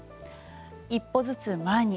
「一歩ずつ、前に！」